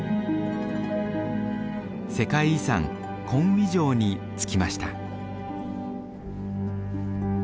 世界遺産コンウィ城に着きました。